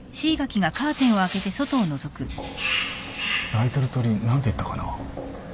・鳴いてる鳥何ていったかな？